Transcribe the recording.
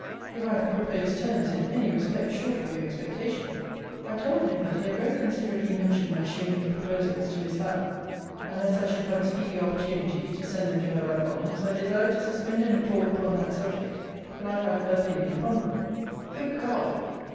If I have proposed terms in any respect short of your expectation I told him, that he had very considerately mentioned my shewing his proposals to Miss Howe; and as I should have a speedy opportunity to send them to her by Collins, I desired to suspend any talk upon that subject till I had her opinion upon them. Good God!